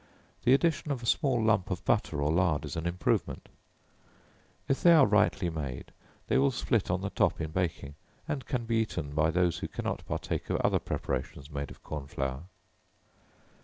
The addition of a small lump of butter or lard is an improvement. If they are rightly made, they will split on the top in baking, and can be eaten by those who cannot partake of other preparations made of corn flour.